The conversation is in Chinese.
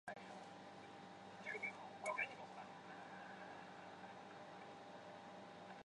本作的图像与同时代游戏相比也算是低端的。